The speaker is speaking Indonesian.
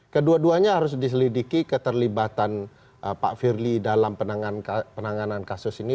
kedua duanya harus diselidiki keterlibatan pak firly dalam penanganan kasus ini